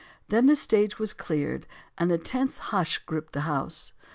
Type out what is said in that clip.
Then the stage was cleared and a tense hush gripped the house.